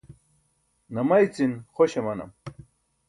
namaycin xoś amanam